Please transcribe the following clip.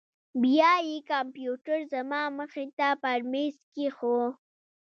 بيا يې کمپيوټر زما مخې ته پر ميز کښېښوو.